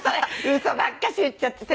ウソばっかし言っちゃってさ。